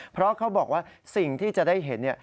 เพราะเขาบอกว่าสิ่งที่จะได้เห็น